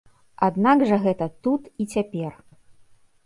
Аднак жа гэта тут і цяпер!